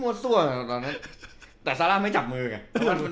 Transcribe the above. ซั่วตอนนั้นแต่ซาร่าไม่จับมือไง